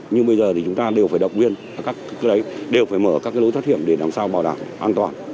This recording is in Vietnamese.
nhưng bây giờ thì chúng ta đều phải đọc nguyên đều phải mở các lối thoát hiểm để làm sao bảo đảm an toàn